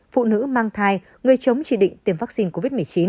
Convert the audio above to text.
phụ nữ mang thai người chống chỉ định tiêm vaccine covid một mươi chín